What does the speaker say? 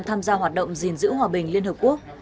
tham gia hoạt động gìn giữ hòa bình liên hợp quốc